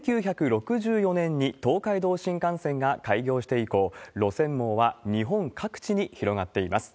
１９６４年に東海道新幹線が開業して以降、路線網は日本各地に広がっています。